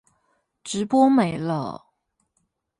直播沒了